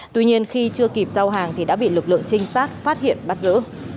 tuy nhiên khi chưa kịp giao hàng thì đã bị lực lượng trinh sát phát hiện bắt giữ